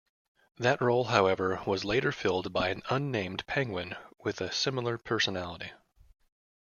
That role however was later filled by an unnamed penguin with a similar personality.